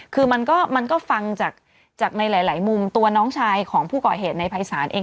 คือมันก็ฟังจากในหลายมุมตัวน้องชายของผู้ก่อเหตุในภัยศาลเอง